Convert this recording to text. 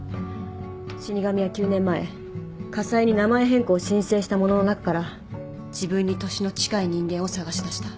死神は９年前家裁に名前変更を申請した者の中から自分に年の近い人間を探しだした。